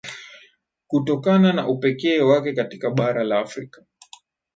kutokana na upekee wake katika bara la Afrika